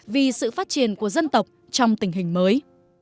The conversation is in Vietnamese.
vì sự phát triển của dân tộc trong tình hình mới